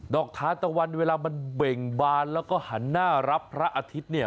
นอกธาตะวันเวลามันเบ่งบานและก็หันน่ารับพระอาทิตย์